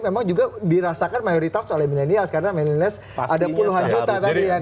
memang juga dirasakan mayoritas oleh millenials karena millenials ada puluhan juta tadi yang berasakan